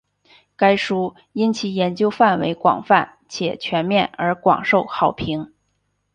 该书因其研究范围广泛且全面而广受好评。